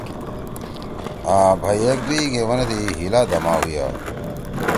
آں بھئی ایکدوئی گے بنَدی ہیلا دما ہُویا۔